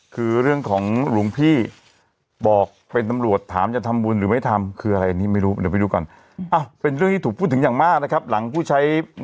คือเรื่องของหลุงพี่บอกเป็นตำรวจถามจะทำบุญหรือไม่ทำ